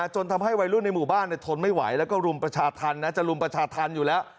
จนทำให้วัยรุ่นในหมู่บ้านทนไม่ไหวแล้วก็รุมประชาธรรมนะจะรุมประชาธรรมอยู่แล้ว